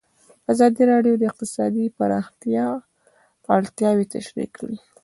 ازادي راډیو د اقتصاد د پراختیا اړتیاوې تشریح کړي.